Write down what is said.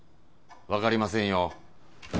分かりませんよ